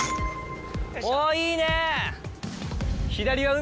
おぉいいね。